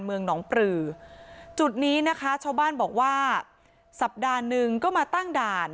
เมืองหนองปลือจุดนี้นะคะชาวบ้านบอกว่าสัปดาห์หนึ่งก็มาตั้งด่าน